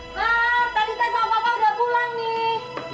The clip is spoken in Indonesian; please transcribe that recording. mama tadi teh sama papa udah pulang nih